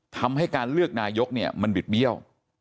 ทำให้การเลือกนายกเนี่ยมันบิดเบี้ยว